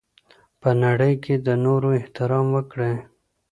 په نړۍ کي د نورو احترام وکړئ.